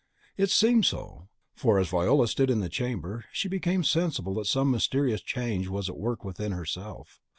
It seemed so; for as Viola stood in the chamber, she became sensible that some mysterious change was at work within herself.